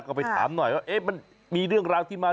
ก็ไปถามหน่อยว่ามันมีเรื่องราวที่มา